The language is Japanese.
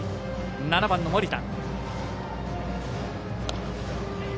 ７番の森田。